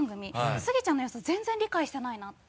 スギちゃんの良さ全然理解してないなって。